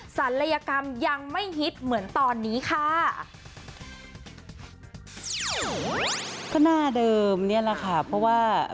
ศัลยกรรมยังไม่ฮิตเหมือนตอนนี้ค่ะ